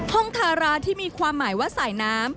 ทาราที่มีความหมายว่าสายน้ำ